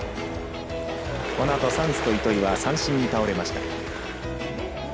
このあと、サンズと糸井は三振に倒れました。